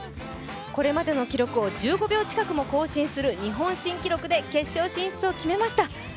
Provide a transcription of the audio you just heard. これまでの記録を１５秒近くも更新する日本記録で決勝進出を決めました。